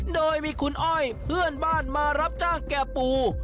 โดยมีคุณอ้อยเพื่อนบ้านมารับจ้างแก่ปู